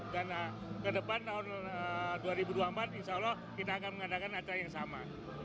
karena ke depan tahun dua ribu dua puluh empat insya allah kita akan mengadakan acara yang sama